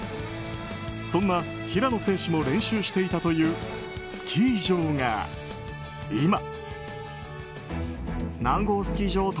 そんな平野選手も練習していたというスキー場が今。